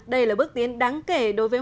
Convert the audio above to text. đây là bước tiến đáng kể đối với